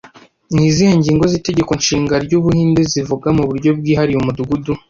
Ni izihe ngingo z'Itegeko Nshinga ry'Ubuhinde zivuga mu buryo bwihariye Umudugudu